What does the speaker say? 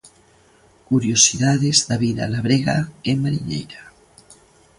Curiosidades da vida labrega e mariñeira.